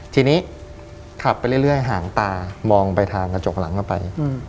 ทีนี้ขับไปเรื่อยห่างตามองไปทางกระจกหลังเข้าไป